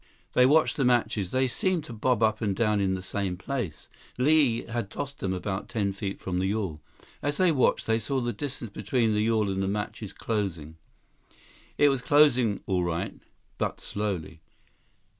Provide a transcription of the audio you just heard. They watched the matches. They seemed to bob up and down in the same place. Li had tossed them about ten feet from the yawl. As they watched, they saw the distance between yawl and matches closing. It was closing, all right, but slowly.